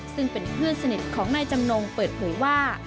ซึ่งเป็นเพื่อนสนิทของนายจำนงเปิดเผยว่า